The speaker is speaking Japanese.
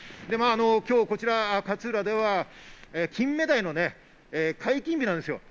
今日、こちら勝浦ではキンメダイの解禁日なんですよ。